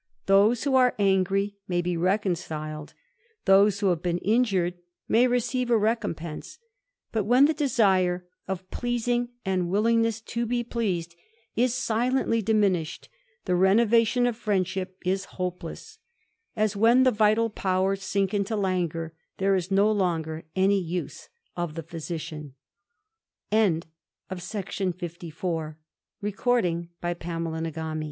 *— Those who are anpj THE IDLER. 389 Diay be reconciled; those who have been injured may receive a recompense : but when the desire of pleasing and willingness to be pleased is silently diminished, the 'Novation of friendship is hopeless; as, when the vital powers sink into langour, there is no longer any use of the physician. Saturday y November 11, 1758. J*H